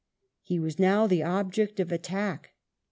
He was now the object of attack.